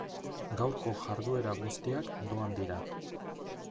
Gaurko jarduera guztiak doan dira.